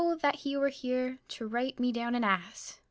O, that he were here to write me down an ass!